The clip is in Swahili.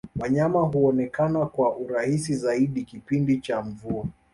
wanyama huonekana kwa urahisi zaidi kipindi cha mvua